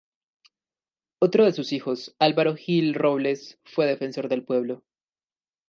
Otro de sus hijos, Álvaro Gil-Robles, fue defensor del Pueblo.